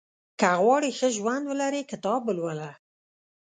• که غواړې ښه ژوند ولرې، کتاب ولوله.